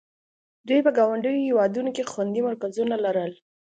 دوی په ګاونډیو هېوادونو کې خوندي مرکزونه لرل.